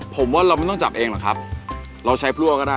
ผมว่าเราไม่ต้องจับเองหรอกครับเราใช้พลั่วก็ได้